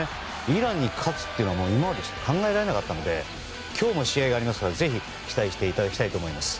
イランに勝つっていうのは今まで考えられなかったので今日も試合がありますのでぜひ期待していただきたいと思います。